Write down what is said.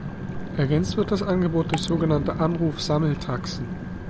Ergänzt wird das Angebot durch sogenannte Anruf-Sammel-Taxen.